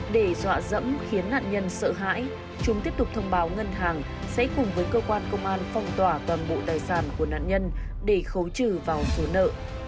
để dọa dẫm khiến nạn nhân sợ hãi chúng tiếp tục thông báo ngân hàng sẽ cùng với cơ quan công an phong tỏa toàn bộ tài sản của nạn nhân để khấu trừ vào số nợ